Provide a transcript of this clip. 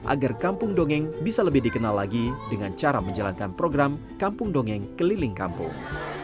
agar kampung dongeng bisa lebih dikenal lagi dengan cara menjalankan program kampung dongeng keliling kampung